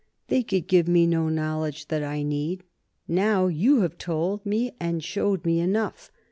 They could give me no knowledge that I need, now; you have told me and showed me enough.